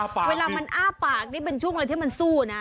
เวลามันอ้าปากนี่เป็นช่วงอะไรที่มันสู้นะ